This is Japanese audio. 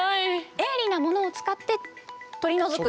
鋭利なものを使って取り除く。